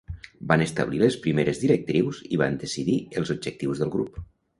Van establir les primeres directrius i van decidir els objectius del grup.